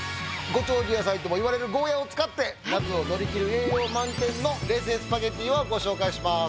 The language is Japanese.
ご長寿野菜ともいわれるゴーヤを使って夏を乗り切る栄養満点の冷製スパゲティをご紹介します。